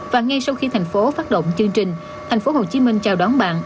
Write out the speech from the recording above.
và ngay sau khi thành phố phát động chương trình thành phố hồ chí minh chào đón bạn